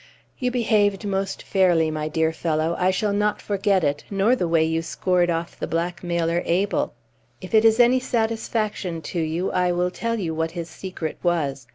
"You behaved most fairly, my dear fellow. I shall not forget it, nor the way you scored off the blackmailer Abel. If it is any satisfaction to you, I will tell you what his secret was.